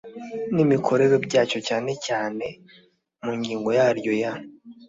n imikorere byacyo cyane cyane mu ngingo yaryo ya